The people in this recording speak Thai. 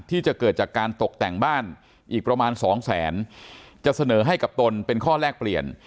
ที่จะเกิดจากการตกแต่งบ้านอีกประมาณสองแสนจะเสนอให้กับตนเป็นข้อแลกเปลี่ยน